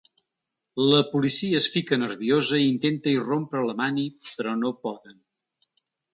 La policia es fica nerviosa i intenta irrompre la mani però no poden.